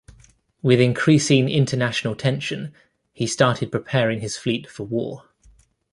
With increasing international tension he started preparing his fleet for war.